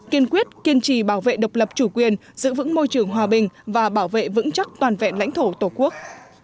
kiên quyết kiên trì bảo vệ độc lập chủ quyền giữ vững môi trường hòa bình và bảo vệ vững chắc toàn vẹn lãnh thổ tổ quốc